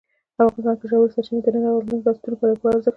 افغانستان کې ژورې سرچینې د نن او راتلونکي نسلونو لپاره پوره ارزښت لري.